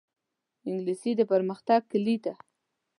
انګلیسي د پرمختګ کلي ده